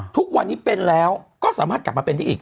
ทุกวันนี้เป็นแล้วก็สามารถกลับมาเป็นได้อีก